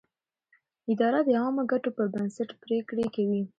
اداره د عامه ګټو پر بنسټ پرېکړې کوي.